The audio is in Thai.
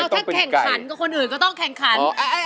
ถ้าแข่งขันกับคนอื่นก็ต้องแข่งขัน